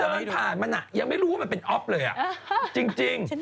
เธอได้แหละเอาไหมให้ดูผมไหลกลับที่ร้ำ